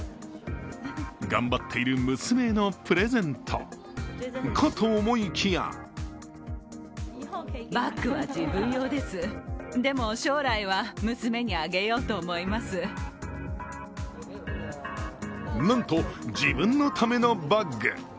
頑張っている娘へのプレゼント、かと思いきやなんと自分のためのバッグ。